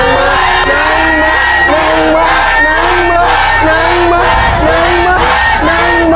นางหมดนางหมดนางหมดนางหมดนางหมด